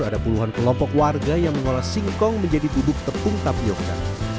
ada puluhan kelompok warga yang mengolah singkong menjadi bubuk tepung tapioca